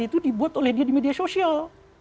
itu dibuat oleh dia di media sosial